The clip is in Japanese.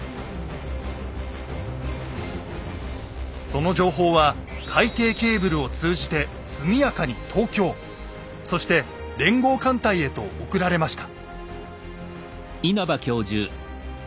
その情報は海底ケーブルを通じて速やかに東京そして連合艦隊へと送られました。